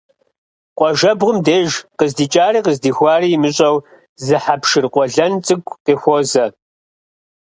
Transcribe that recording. Къуажэбгъум деж, къыздикӏари къыздихуари имыщӏэу зы хьэпшыр къуэлэн цӏыкӏу къыхуозэ.